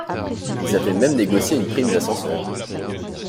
Ils avaient même négocié une prime d'ascenseur.